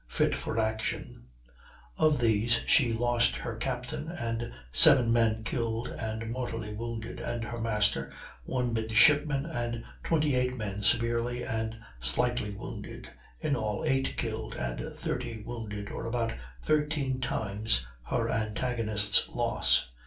] fit for action; of these she lost her captain, and seven men killed and mortally wounded, and her master, one midshipman, and 28 men severely and slightly wounded, in all 8 killed and 30 wounded, or about 13 times her antagonist's loss.